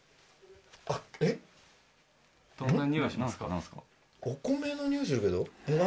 あっえっ？